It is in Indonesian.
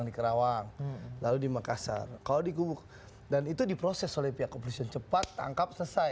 dan itu diproses oleh pihak kepolisian cepat tangkap selesai